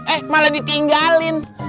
eh malah ditinggalin